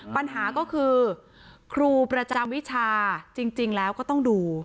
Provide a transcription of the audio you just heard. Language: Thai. ปัญหาก็คือครูประจำวิชาจริงแล้วก็ต้องดู